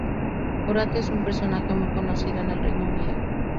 Borat es un personaje muy conocido en el Reino Unido.